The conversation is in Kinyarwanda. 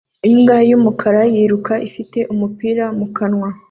Imbwa y'umukara yiruka ifite umupira mu kanwa